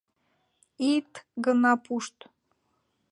Ит гына пушт.